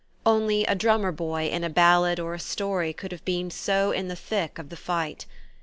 Only a drummer boy in a ballad or a story could have been so in the thick of the fight.